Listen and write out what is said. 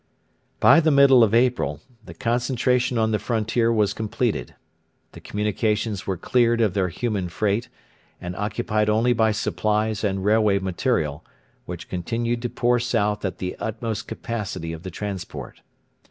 By the middle of April the concentration on the frontier was completed. The communications were cleared of their human freight, and occupied only by supplies and railway material, which continued to pour south at the utmost capacity of the transport.